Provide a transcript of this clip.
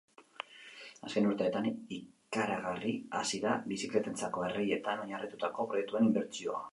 Azken urteetan ikaragarri hasi da bizikletentzako erreietan oinarritutako proiektuen inbertsioa.